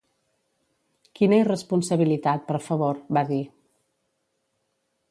Quina irresponsabilitat, per favor, va dir.